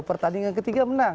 pertandingan ketiga menang